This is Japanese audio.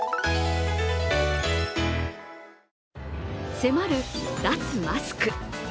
迫る、脱マスク。